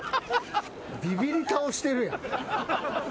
ビビり倒してるやん。